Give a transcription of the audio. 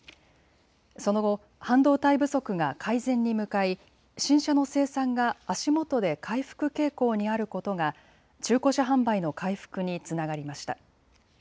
その後、半導体不足が改善に向かい新車の生産が足元で回復傾向にあることが中古車販売の回復につながりました。